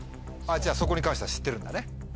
じゃあそこに関しては知ってるんだね。